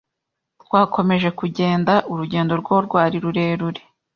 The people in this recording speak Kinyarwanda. Twakomeje kugenda, urugendo rwo rwari rurerure